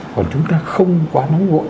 còn chúng ta không quá nóng ngội